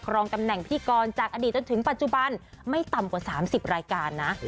รองตำแหน่งพิธีกรจากอดีตจนถึงปัจจุบันไม่ต่ำกว่า๓๐รายการนะ